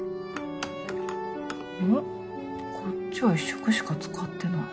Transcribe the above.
こっちは１色しか使ってない。